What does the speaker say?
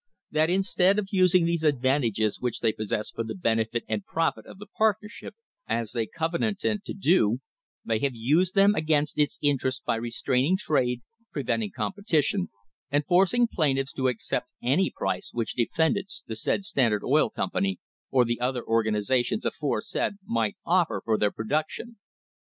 That instead of using these advantages which they possess for the benefit and profit of the partnership, as they covenanted to do, they have used them against its interest by restraining trade, preventing competition, and forcing plaintiffs to accept any price which defendants, the said Standard Oil Company, or the other organisations afore said, might offer for their production.